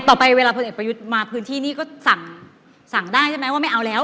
ต่อไปเวลาพลเอกประยุทธ์มาพื้นที่นี่ก็สั่งได้ใช่ไหมว่าไม่เอาแล้ว